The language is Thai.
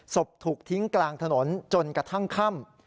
ถูกทิ้งกลางถนนจนกระทั่งค่ำ